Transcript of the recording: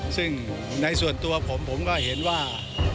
ซึ่งในส่วนตัวผมผมก็เห็นว่า